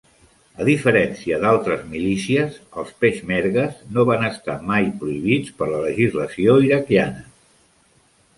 A diferència d'altres milícies, els peixmergues no van estar mai prohibits per la legislació iraquiana.